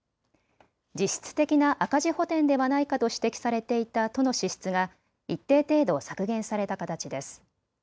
実質的な赤字補填ではないかと指摘されていた都の支出が一定程度、削減された形です。